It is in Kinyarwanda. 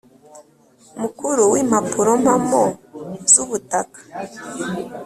Mukuru w impapurompamo z ubutaka